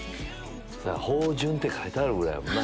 芳醇って書いてあるぐらいやもんな。